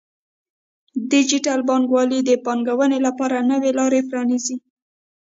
ډیجیټل بانکوالي د پانګونې لپاره نوې لارې پرانیزي.